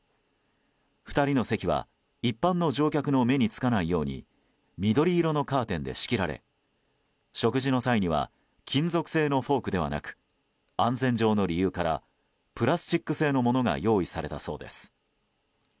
２人の席は一般の乗客の目につかないように緑色のカーテンで仕切られ食事の際には金属製のフォークではなく安全上の理由からプラスチック製のものが用意されたそうです。